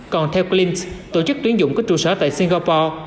còn theo clint tổ chức tuyển dụng của trụ sở tại singapore